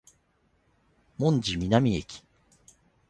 門真南駅